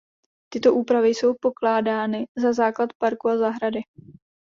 Tyto úpravy jsou pokládány za základ parku a zahrady.